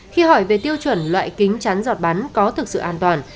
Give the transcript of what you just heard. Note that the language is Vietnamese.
khi hỏi về tiêu chuẩn loại kính chắn giọt bắn có thực sự an toàn